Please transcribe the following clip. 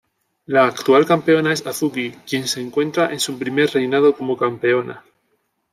La actual campeona es Hazuki, quien se encuentra en su primer reinado como campeona.